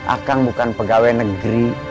akang bukan pegawai negeri